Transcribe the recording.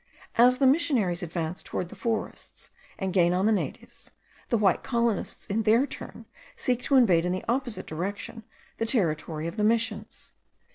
As the missionaries advance towards the forests, and gain on the natives, the white colonists in their turn seek to invade in the opposite direction the territory of the Missions.